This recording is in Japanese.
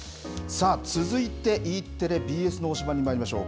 続いてＥテレ、ＢＳの推しバン！にまいりましょう。